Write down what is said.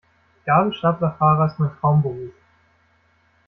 Gabelstaplerfahrer ist mein Traumberuf.